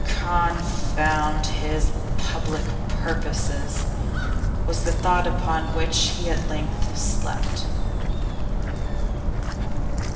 'Confound his public purposes!' was the thought upon which he at length slept.